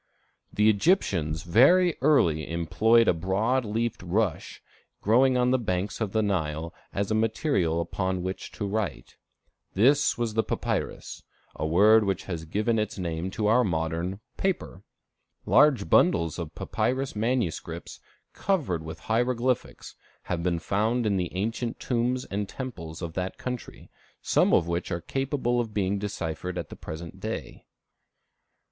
The Egyptians very early employed a broad leafed rush growing on the banks of the Nile, as a material upon which to write. This was the papyrus, a word which has given its name to our modern paper. Large bundles of papyrus manuscripts, covered with hieroglyphics, have been found in the ancient tombs and temples of that country, some of which are capable of being deciphered at the present day.